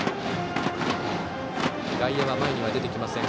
外野は前には出てきません。